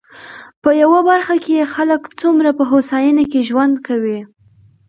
په يوه برخه کې يې خلک څومره په هوساينه کې ژوند کوي.